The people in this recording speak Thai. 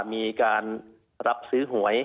มีการรับซื้อหวย